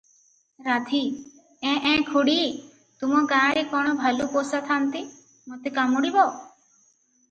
ରାଧୀ -ଏଁ -ଏଁ ଖୁଡ଼ି! ତୁମ ଗାଁରେ କଣ ଭାଲୁ ପୋଷା ଥାନ୍ତି, ମତେ କାମୁଡ଼ିବ?